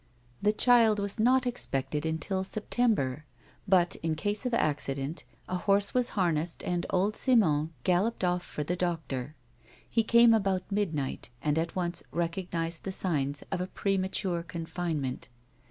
The child was not expected until September but, in case of accident, a horse was hariaessed and old Simon galloped off for the doctor. He came about midnight and at once recognised the signs of a premature confinement.